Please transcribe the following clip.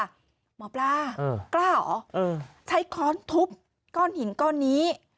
หมอปลากล้าเหรอใช้ค้อนทุบก้อนหินก้อนนี้